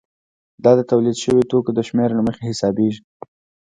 دا د تولید شویو توکو د شمېر له مخې حسابېږي